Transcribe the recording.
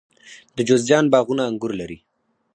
د جوزجان باغونه انګور لري.